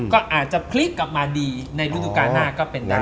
ก็อาจจะพลิกกลับมาดีในฤดูการหน้าก็เป็นได้